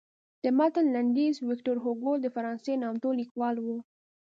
د متن لنډیز ویکتور هوګو د فرانسې نامتو لیکوال و.